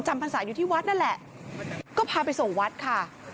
พรรษาอยู่ที่วัดนั่นแหละก็พาไปส่งวัดค่ะ